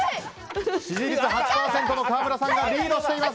支持率８％の川村さんがリードしています。